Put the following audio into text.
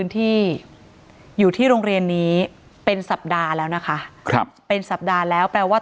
ที่อยู่ที่โรงเรียนนี้เป็นสัปดาห์แล้วนะคะครับเป็นสัปดาห์แล้วแปลว่า